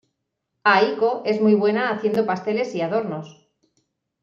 Aiko es muy buena haciendo pasteles y adornos.